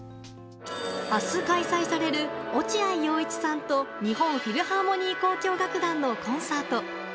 明日開催される、落合陽一さんと日本フィルハーモニー交響楽団のコンサート。